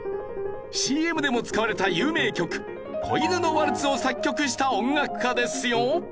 ＣＭでも使われた有名曲『小犬のワルツ』を作曲した音楽家ですよ。